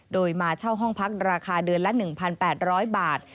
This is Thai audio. โดยมาเช่าห้องพักราคาเดือนละ๑๘๐๐บาท